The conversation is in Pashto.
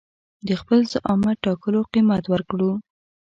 د خپل زعامت ټاکلو قيمت ورکړو.